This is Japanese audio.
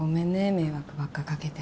迷惑ばっか掛けて。